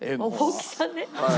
大きさね。